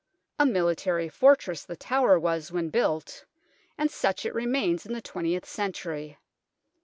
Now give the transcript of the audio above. A military fortress The Tower was when built, and such it remains in the twentieth century.